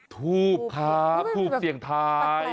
ทูบค่ะทูบเสียงไทย